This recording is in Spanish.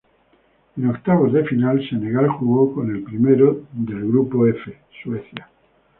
En octavos de final, Senegal jugó con el primero del grupo F, Suecia.